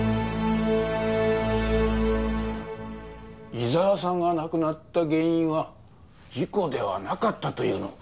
伊沢さんが亡くなった原因は事故ではなかったというのか。